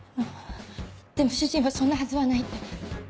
でも主人はそんなはずはないって。